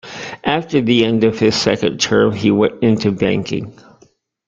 After the end of his second term, he went into banking.